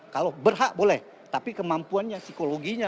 kalau berhak boleh tapi kemampuannya psikologinya